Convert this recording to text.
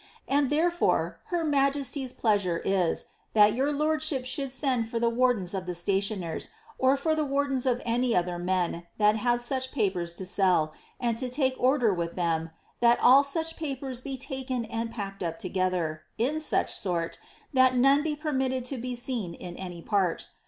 And tlierefore her migesty's pleasure is that your lordship •houUl send for the wardens of the stationeriff or for the wardens of any other men that have such papers to sell, and to take orJer with them, that all such papers be taken and packed up together, in such snrr, that none be permitted to be seen in any part.